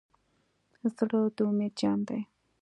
زړه د امید جام دی.